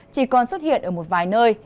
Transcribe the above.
chỉ còn xuất hiện ở một vài nơi